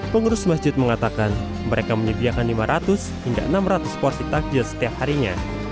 pengurus masjid mengatakan mereka menyediakan lima ratus hingga enam ratus porsi takjil setiap harinya